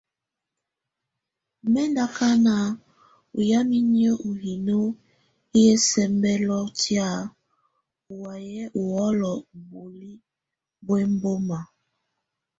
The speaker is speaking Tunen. Mɛ̀ ndù akana á yamɛ̀á inyǝ ù hino hɛ ɛsɛmbɛlɔ tɛ̀á ù waya u ɔlɔ u bùóli bù ɛmbɔma.